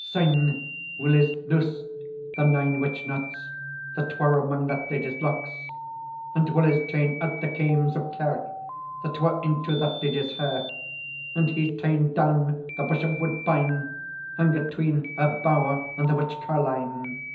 Syne, Willie's loosed the nine witch knots That were amang that ladye's locks; And Willie's ta'en out the kames of care That were into that ladye's hair; And he's ta'en down the bush of woodbine, Hung atween her bow'r and the witch carline.